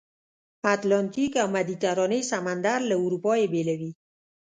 اتلانتیک او مدیترانې سمندر له اروپا یې بېلوي.